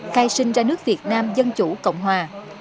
khai sinh ra nước việt nam dân chủ cộng hòa